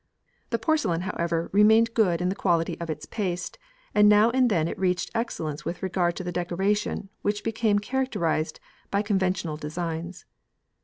The porcelain, however, remained good in the quality of its paste, and now and then it reached excellence with regard to the decoration, which became characterised by conventional designs.